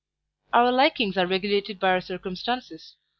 Our likings are regulated by our circumstances.